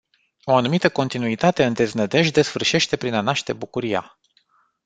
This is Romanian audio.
O anumită continuitate în deznădejde sfârșește prin a naște bucuria.